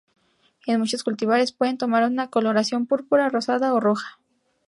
En muchos cultivares pueden tomar una coloración púrpura, rosada o roja.